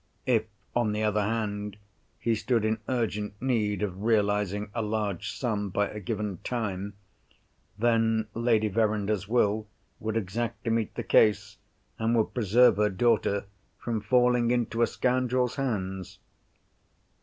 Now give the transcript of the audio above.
If, on the other hand, he stood in urgent need of realising a large sum by a given time, then Lady Verinder's Will would exactly meet the case, and would preserve her daughter from falling into a scoundrel's hands.